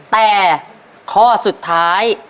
แต่ข้อสุดท้าย